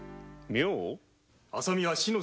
妙！？